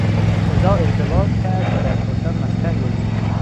رضا ازدواج کرد و در کاشان مسکن گزید.